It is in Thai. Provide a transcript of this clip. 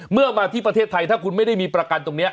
เมื่อมาที่ประเทศไทยถ้าคุณไม่ได้มีประกันตรงนี้